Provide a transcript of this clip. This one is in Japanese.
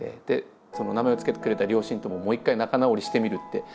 でその名前を付けてくれた両親とももう一回仲直りしてみるって。